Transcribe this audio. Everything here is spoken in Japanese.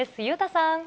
裕太さん。